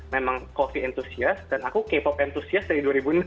memang coffee entusias dan aku k pop entusias dari dua ribu enam belas